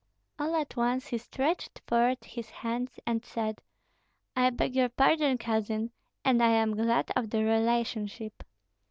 All at once he stretched forth his hands and said, "I beg your pardon, cousin, and I am glad of the relationship."